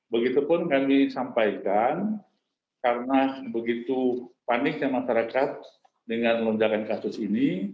begitupun kami sampaikan karena begitu paniknya masyarakat dengan lonjakan kasus ini